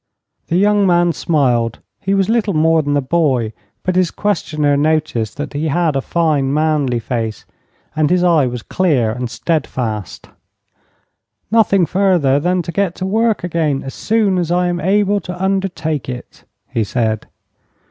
The young man smiled. He was little more than a boy, but his questioner noticed that he had a fine manly face and his eye was clear and steadfast. "Nothing further than to get to work again as soon as I am able to undertake it," he said.